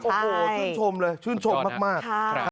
ชื่นชมเลยชื่นชมมาก